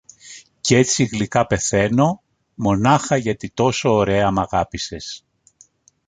κ’ έτσι γλυκά πεθαίνω, μονάχα γιατί τόσο ωραία μ’ αγάπησες.